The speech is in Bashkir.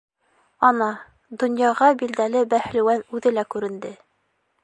Ана, донъяға билдәле бәһлеүән үҙе лә күренде.